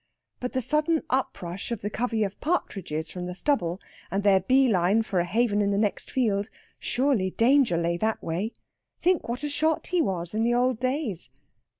But the sudden uprush of the covey of partridges from the stubble, and their bee line for a haven in the next field surely danger lay that way? Think what a shot he was in the old days!